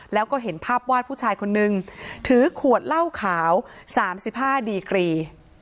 แล้วก็เห็นภาพวาดผู้ชายคนนึงถือขวดเหล้าขาว๓๕ดีกรี